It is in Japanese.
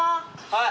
はい。